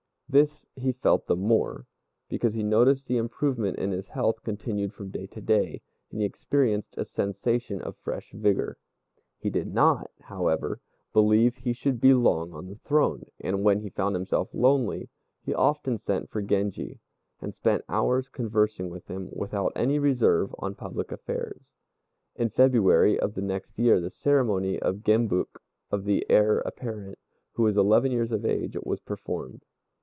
This he felt the more, because he noticed the improvement in his health continued from day to day, and he experienced a sensation of fresh vigor. He did not, however, believe he should be long on the throne, and when he found himself lonely, he often sent for Genji, and spent hours conversing with him, without any reserve, on public affairs. In February of the next year the ceremony of the "Gembuk" of the Heir apparent, who was eleven years of age, was performed.